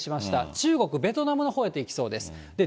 中国、ベトナムのほうへと行きそうです。